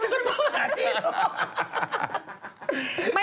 ถ้าขึ้นจังก็ต้องหาที่หรือ